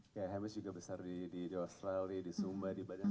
kayak hamish juga besar di australia di sumba di badan lain